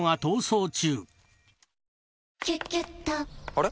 あれ？